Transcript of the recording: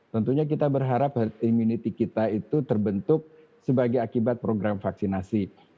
tentunya kita berharap herd immunity kita itu terbentuk sebagai akibat program vaksinasi